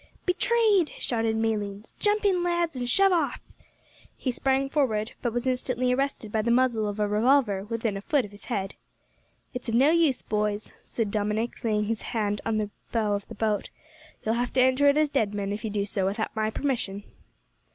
"Betrayed!" shouted Malines. "Jump in, lads, and shove off!" He sprang forward, but was instantly arrested by the muzzle of a revolver within a foot of his head. "It's of no use, boys," said Dominick, laying his hand on the bow of the boat. "You'll have to enter it as dead men if you do so without my permission."